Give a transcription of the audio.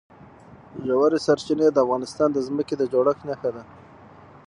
ژورې سرچینې د افغانستان د ځمکې د جوړښت نښه ده.